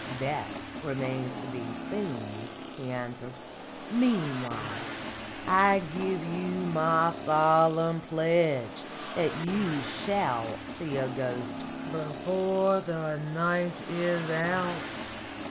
"That remains to be seen," he answered. "Meanwhile, I give you my solemn pledge that you shall see a ghost before the night is out."